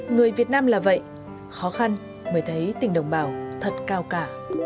người việt nam là vậy khó khăn mới thấy tình đồng bào thật cao cả